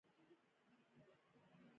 آیا په ګمرکونو کې فساد شته؟